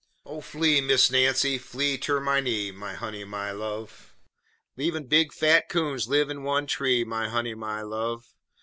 _ Oh, flee, Miss Nancy, flee ter my knee, My honey, my love! 'Lev'n big, fat coons liv' in one tree, My honey, my love!